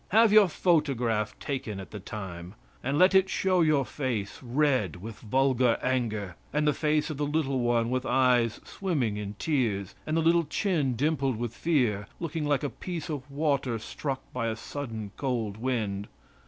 Have your photograph taken at the time and let it show your face red with vulgar anger, and the face of the little one with eyes swimming in tears, and the little chin dimpled with fear, looking like a piece of water struck by a sudden cold wind.